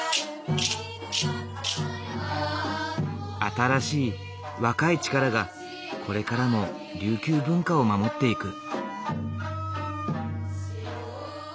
新しい若い力がこれからも琉球文化を守っていく。